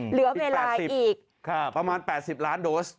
เหลือเวลาอีกประมาณ๘๐ล้านโดส